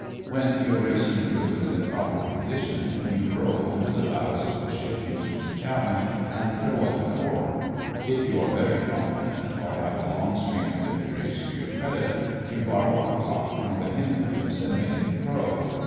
When your racing crew is in proper condition, you row under the bows of the ship you wish to challenge and throw up an oar. If you are very confident, or have a long string of victories to your credit, you borrow a cock from the hen coops and make him crow.